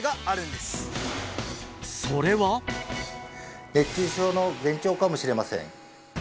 それは熱中症の前兆かもしれません